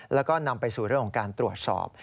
แล้วก็นำไปสู่เรื่องของการตรวจสอบ